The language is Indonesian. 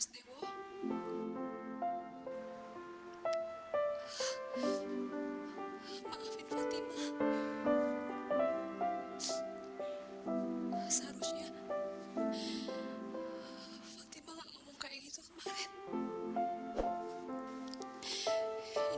seharusnya fatimah gak ngomong kayak gitu kemarin